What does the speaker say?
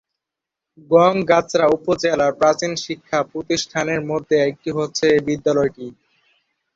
গংগাচড়া উপজেলার প্রাচীন শিক্ষা প্রতিষ্ঠানের মধ্যে একটি হচ্ছে এই বিদ্যালয়টি।